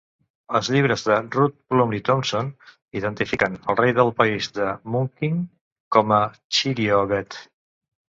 Els llibres de Ruth Plumly Thompson identifiquen el rei del país de Munchkin com a Cheeriobed.